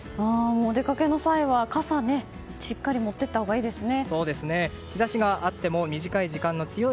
お出かけの際は、傘をしっかり持って行ったほうがいいですね。